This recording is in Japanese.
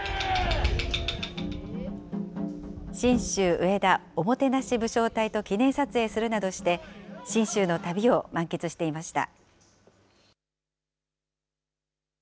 信州上田おもてなし武将隊と記念撮影するなどして、信州の旅を満喫していました。